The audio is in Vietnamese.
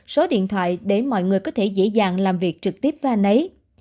số điện thoại để mọi người có thể dễ dàng làm việc trực tiếp với anh ấy